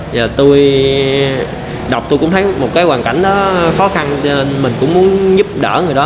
giờ tôi đọc tôi cũng thấy một cái hoàn cảnh đó khó khăn nên mình cũng muốn giúp đỡ